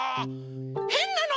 へんなの？